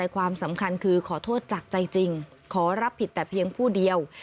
ความสำคัญคือขอโทษจากใจจริงขอรับผิดแต่เพียงผู้เดียว